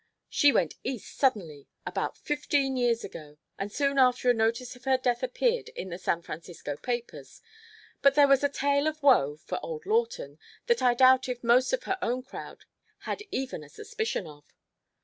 She went East suddenly about fifteen years ago, and soon after a notice of her death appeared in the San Francisco papers. But there was a tale of woe (for old Lawton) that I doubt if most of her own crowd had even a suspicion of."